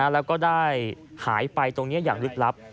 แล้วก็ได้หายไปตรงนี้อย่างลึกลับ